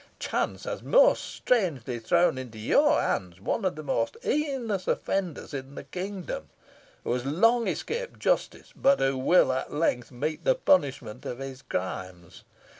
Chance has most strangely thrown into your hands one of the most heinous offenders in the kingdom, who has long escaped justice, but who will at length meet the punishment of his crimes.